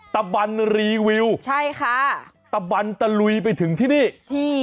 ตะบันรีวิวตะบันตะลุยไปถึงที่นี่ใช่ค่ะ